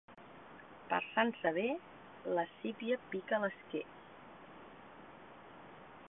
Per Sant Sever la sípia pica l'esquer.